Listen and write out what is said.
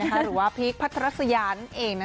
หรือว่าพีคพัทรัสยานั่นเอง